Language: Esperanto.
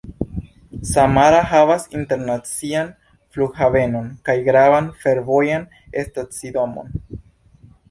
Samara havas internacian flughavenon kaj gravan fervojan stacidomon.